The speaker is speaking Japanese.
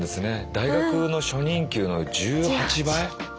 大学の初任給の１８倍。